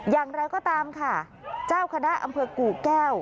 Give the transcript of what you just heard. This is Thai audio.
อย่างไรก็ตามค่ะเจ้าคณะอำเภอกู่แก้ว